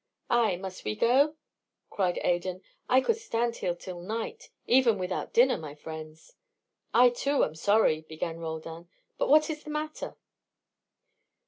"Ay, must we go?" cried Adan. "I could stand here till night, even without dinner, my friends." "I, too, am sorry," began Roldan. "But what is the matter?"